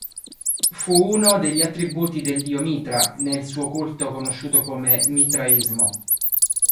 Fu uno degli attributi del dio Mitra, nel suo culto conosciuto come Mitraismo.